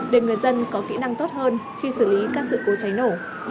để người dân có kỹ năng tốt hơn khi xử lý các sự cố cháy nổ